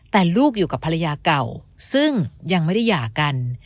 แต่ลูกอยู่กับภรรยาเก่าซึ่งยังไม่ได้หย่ากัน